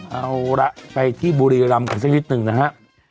เอาละไปที่บุรีรำสิ้นที่๑นะฮะ